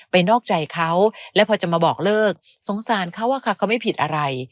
นอกใจเขาและพอจะมาบอกเลิกสงสารเขาอะค่ะเขาไม่ผิดอะไร